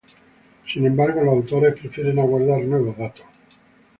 Sin embargo, los autores prefieren aguardar nuevos datos.